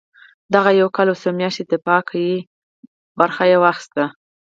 دغه یو کال او څو میاشتني دفاع کې یې ونډه واخیسته.